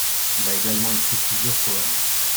Il a également écrit plusieurs poèmes.